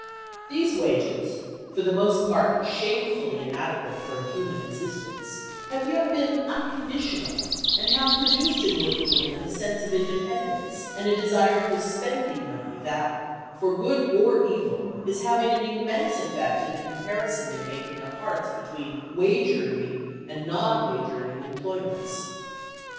These wages, for the most part shamefully inadequate for a human existence, have yet been unconditional and have produced in working women a sense of independence and a desire for "spending money" that, for good or evil, is having an immense effect in the comparison they make in their hearts between wage earning and non wage earning employments.